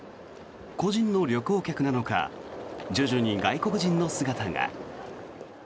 個人の旅行客なのか徐々に外国人の姿が。